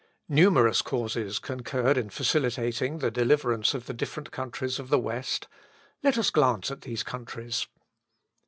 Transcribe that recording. Numerous causes concurred in facilitating the deliverance of the different countries of the West. Let us glance at these countries.